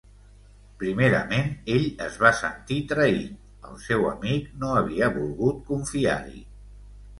Primerament, ell es va sentir traït; el seu amic no havia volgut confiar-hi.